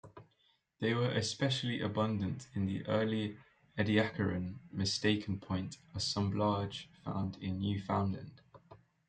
They were especially abundant in the early Ediacaran Mistaken Point assemblage found in Newfoundland.